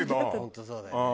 本当そうだよね。